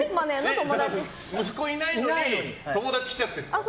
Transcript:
息子いないのに友達来ちゃってるんですか？